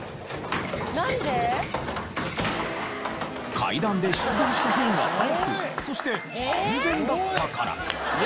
階段で出動した方が早くそして安全だったから。